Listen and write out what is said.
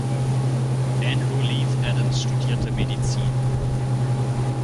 Andrew Leith Adams studierte Medizin.